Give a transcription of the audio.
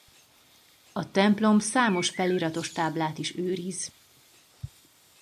A templom számos feliratos táblát is őriz.